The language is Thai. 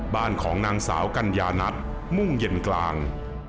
ของนางสาวกัญญานัทมุ่งเย็นกลาง